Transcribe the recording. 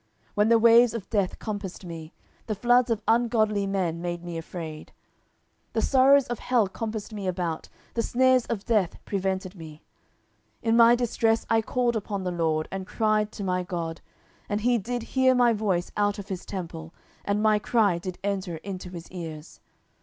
10:022:005 When the waves of death compassed me, the floods of ungodly men made me afraid; 10:022:006 The sorrows of hell compassed me about; the snares of death prevented me; 10:022:007 In my distress I called upon the LORD, and cried to my God: and he did hear my voice out of his temple, and my cry did enter into his ears.